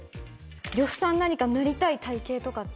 呂布さん何かなりたい体形とかって。